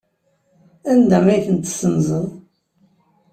Anda ay tent-tessenzeḍ?